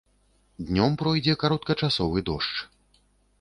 Днём пройдзе кароткачасовы дождж.